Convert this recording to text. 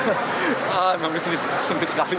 memang disini sempit sekali